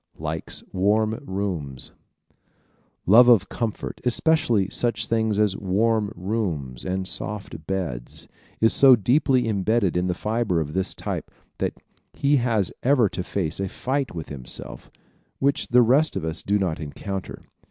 Likes Warm Rooms ¶ Love of comfort especially such things as warm rooms and soft beds is so deeply imbedded in the fiber of this type that he has ever to face a fight with himself which the rest of us do not encounter.